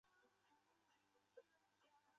西南莩草为禾本科狗尾草属下的一个种。